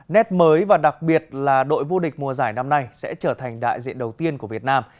nét mới và đặc biệt là đội vô địch mùa giải năm nay sẽ trở thành đại diện đầu tiên của việt nam